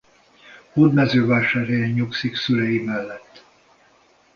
Hódmezővásárhelyen nyugszik szülei mellett.